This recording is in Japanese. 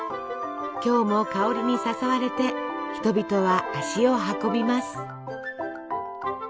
今日も香りに誘われて人々は足を運びます。